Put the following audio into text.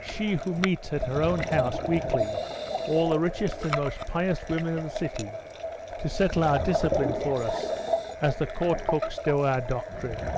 She who meets at her own house weekly all the richest and most pious women of the city, to settle our discipline for us' as the court cooks do our doctrine.